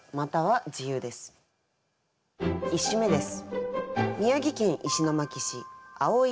１首目です。